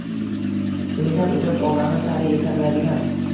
Chinakam ijod olami sari yetaklaydigan.